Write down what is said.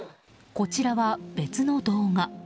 こちらは別の動画。